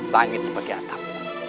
langit sebagai atap